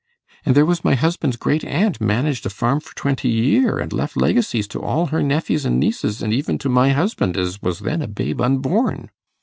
An' there was my husband's great aunt managed a farm for twenty year, an' left legacies to all her nephys an' nieces, an' even to my husband, as was then a babe unborn.